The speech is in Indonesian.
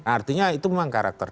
artinya itu memang karakter